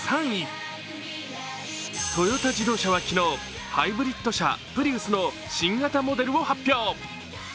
トヨタ自動車は昨日、ハイブリッド車、プリウスの新型モデルを発表